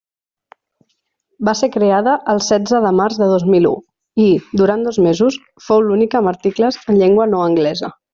Va ser creada el setze de març de dos mil u i, durant dos mesos, fou l'única amb articles en llengua no anglesa.